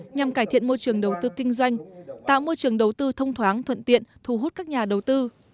nhằm cải thiện môi trường đầu tư kinh doanh tạo môi trường đầu tư thông thoáng thuận tiện thu hút các nhà đầu tư